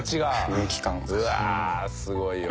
うわすごいわ。